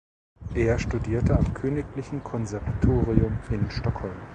Er studierte am Königlichen Konservatorium in Stockholm.